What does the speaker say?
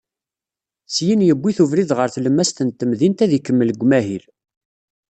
Syin yuwi-t ubrid ɣer tlemmast n temdint, ad ikemmel deg umahil.